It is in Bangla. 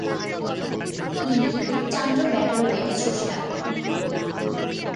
তিনি চান্দ্র-ব্যাকরণের স্রষ্টা।